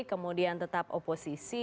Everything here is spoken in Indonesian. kemudian tetap oposisi